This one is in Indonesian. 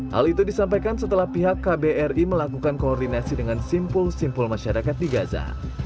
hal itu disampaikan setelah pihak kbri melakukan koordinasi dengan simpul simpul masyarakat di gaza